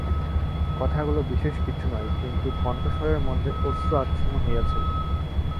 কথাগুলো বিশেষ কিছু নয়, কিন্তু কণ্ঠস্বরের মধ্যে অশ্রু আচ্ছন্ন হইয়া ছিল।